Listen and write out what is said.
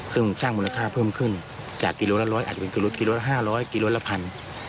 ซึ่งสร้างมูลค่าเพิ่มขึ้นจากกิโลละร้อยอาจจะเป็นกิโลกิโลละ๕๐๐กิโลละพัน